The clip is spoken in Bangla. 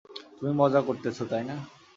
তুমি মজা করতেছো তাই না?